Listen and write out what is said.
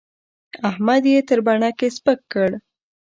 احمد يې تر بڼکې سپک کړ.